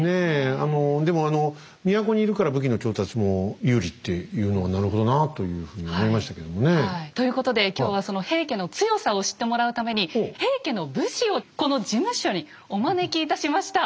でもあの都にいるから武器の調達も有利っていうのはなるほどなあというふうに思いましたけどもね。ということで今日はその平家の強さを知ってもらうために平家の武士をこの事務所にお招きいたしました！